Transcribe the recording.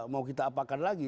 mau kita apakan lagi